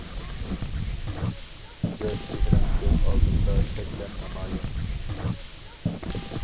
گۈزەل چېھرىڭ كۆز ئالدىمدا شەكلەن نامايان.